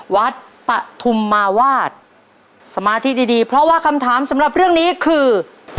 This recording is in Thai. ปฐุมมาวาดสมาธิดีดีเพราะว่าคำถามสำหรับเรื่องนี้คือ